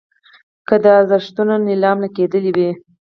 که د ارزښتونو نیلام لګېدلی وي.